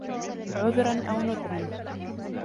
عُذْرًا أَوْ نُذْرًا